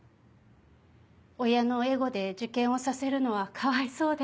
親のエゴで受験をさせるのはかわいそうで。